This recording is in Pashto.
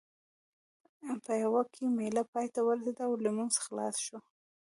پېوه کې مېله پای ته ورسېده او لمونځ خلاص شو.